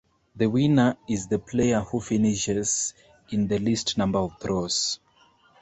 The winner is the player who finishes in the least number of throws.